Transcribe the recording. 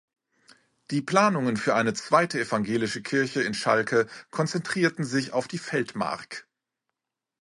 Die Planungen für eine zweite evangelische Kirche in Schalke konzentrierten sich auf die Feldmark.